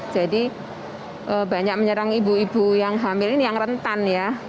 jadi banyak menyerang ibu ibu yang hamil ini yang rentan ya